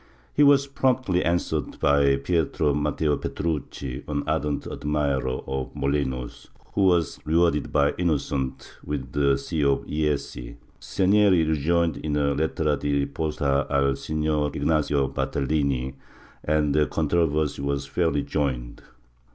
He was promptly answered jjy Pietro Matteo Petrucci, an ardent admirer of Molinos, who was rewarded by Innocent with the see of Jesi. Segneri rejoined in a "Lettera di riposta al Sig. Ignacio Bartalini" and the controversy was fairly joined.